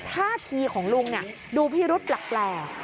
ท่าทีของลุงดูพิรุษแปลก